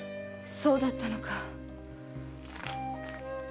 そうだったのか。